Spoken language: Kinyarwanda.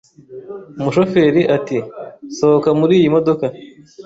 Umushoferi ati: sohoka muriyi modoka